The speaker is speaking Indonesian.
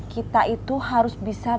kita itu harus bisa